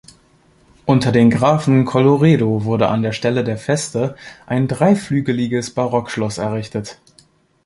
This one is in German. Unter den Grafen Colloredo wurde an der Stelle der Feste ein dreiflügeliges Barockschloss errichtet.